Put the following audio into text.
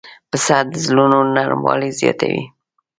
پسه د زړونو نرموالی زیاتوي.